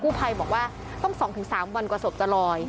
คุภัยบอกว่าต้องสองถึงสามวันกว่าศพจะลอย